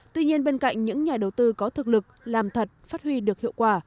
tuy nhiên bên cạnh những nhà đầu tư có thực lực làm thật phát huy được hiệu quả